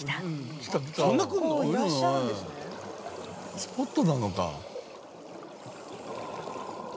スポットなのか。